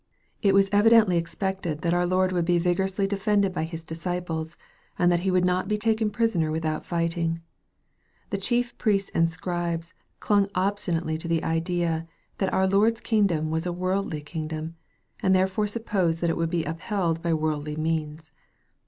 It was evidently expected that our Lord would be vigorously defended by His disciples, and that He would not be taken prisoner without fighting. The chief priests and scribes clung obstinately to the idea, that our Lord's kingdom was a worldly kingdom, and therefore supposed that it would be upheld by worldly means.